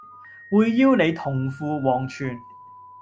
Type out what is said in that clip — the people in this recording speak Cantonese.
會邀你同赴黃泉